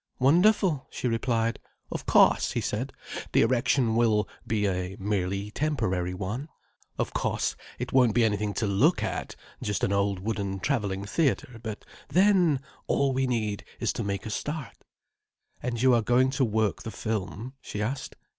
"Wonderful," she replied. "Of cauce," he said, "the erection will be a merely temporary one. Of cauce it won't be anything to look at: just an old wooden travelling theatre. But then—all we need is to make a start." "And you are going to work the film?" she asked.